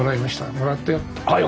もらったよ」